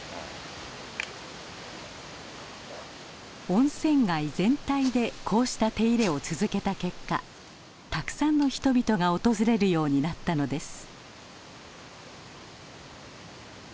温泉街全体でこうした手入れを続けた結果たくさんの人々が訪れるようになったのです。